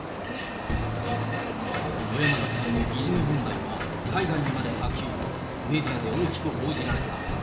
小山田さんのいじめ問題は海外にまで波及、メディアで大きく報じられた。